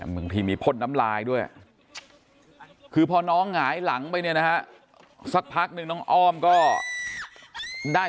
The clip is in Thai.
มึงที่มีพลน้ำรายตัวคือพอน้องหายหลังไปนะคะสักพักหนึ่งต้องอ้อมก็ได้